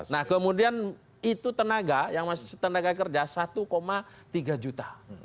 nah kemudian itu tenaga yang masih tenaga kerja satu tiga juta